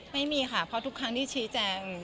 ไม่มีค่ะเพราะทุกครั้งที่ชี้แจง